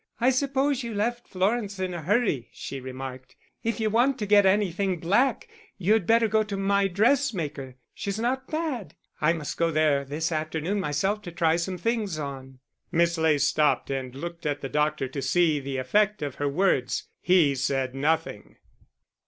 'I suppose you left Florence in a hurry,' she remarked. 'If you want to get anything black, you'd better go to my dressmaker; she's not bad. I must go there this afternoon myself to try some things on.'" Miss Ley stopped and looked at the doctor to see the effect of her words. He said nothing.